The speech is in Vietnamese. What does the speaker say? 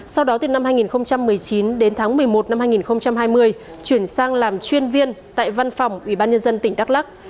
sau đó từ năm hai nghìn một mươi chín đến tháng một mươi một năm hai nghìn hai mươi chuyển sang làm chuyên viên tại văn phòng ủy ban nhân dân tỉnh đắk lắc